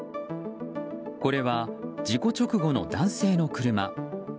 これは事故直後の男性の車。